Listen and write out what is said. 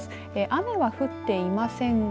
雨は降っていませんが、